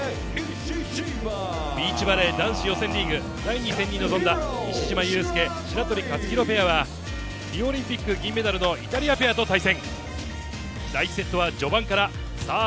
ビーチバレー男子予選リーグ第２戦に臨んだ石島雄介・白鳥勝浩ペアはリオオリンピック銀メダルのイタリアペアと対戦。